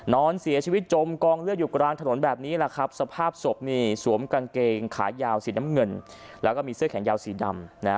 นอนเสียชีวิตจมกองเลือดอยู่กลางถนนแบบนี้แหละครับสภาพศพนี่สวมกางเกงขายาวสีน้ำเงินแล้วก็มีเสื้อแขนยาวสีดำ